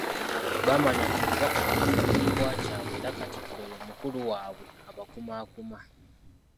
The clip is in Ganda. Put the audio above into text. Bamanya nti Kabaka kye kifundikwa kyabwe era Katikkiro ye mukulu waabwe abakumaakuma.